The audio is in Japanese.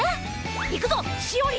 いくぞしおりん！